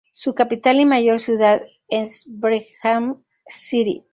Su capital y mayor ciudad es Brigham City.